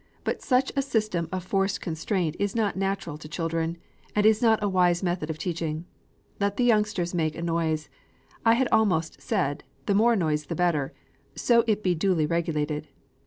But such a system of forced constraint is not natural to children, and is not a wise method of teaching. Let the youngsters make a noise; I had almost said, the more noise the better, so it be duly regulated.